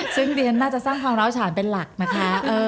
ซึ่งเดี๋ยวน่าจะสร้างความเล่าชาญเป็นหลักนะคะ